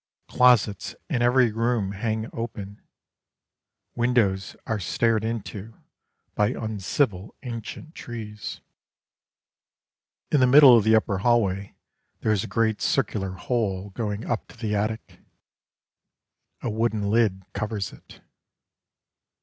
Closets in every room hang open, Windows are stared into by uncivil ancient trees. In the middle of the upper hallway There is a great circular hole Going up to the attic. A wooden lid covers it.